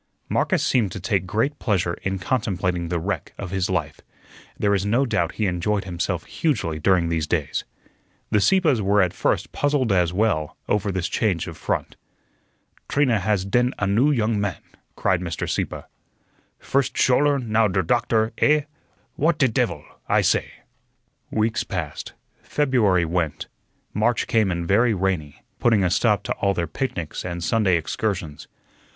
Marcus seemed to take great pleasure in contemplating the wreck of his life. There is no doubt he enjoyed himself hugely during these days. The Sieppes were at first puzzled as well over this change of front. "Trina has den a new younge man," cried Mr. Sieppe. "First Schouler, now der doktor, eh? What die tevil, I say!" Weeks passed, February went, March came in very rainy, putting a stop to all their picnics and Sunday excursions.